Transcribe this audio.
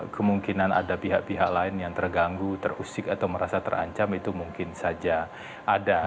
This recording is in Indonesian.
kemungkinan ada pihak pihak lain yang terganggu terusik atau merasa terancam itu mungkin saja ada